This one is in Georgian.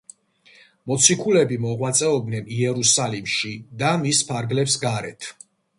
მოციქულები მოღვაწეობდნენ იერუსალიმში და მის ფარგლებს გარეთ.